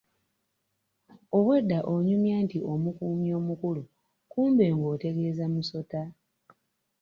Obwedda onyumya nti omukuumi omukulu kumbe ng'otegeeza musota!